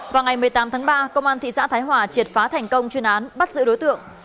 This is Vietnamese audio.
vào ngày một mươi tám tháng ba công an thị xã thái hòa triệt phá thành công chuyên án bắt giữ đối tượng